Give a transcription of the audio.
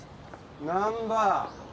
難破。